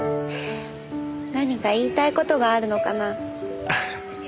何か言いたい事があるのかな？